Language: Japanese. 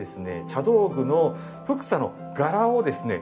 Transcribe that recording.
茶道具のふくさの柄をですね